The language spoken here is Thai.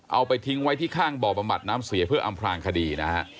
เอาไปทิ้งไว้ที่ข้างบ่อบำบัดน้ำเสียเพื่ออำพลางคดีนะฮะ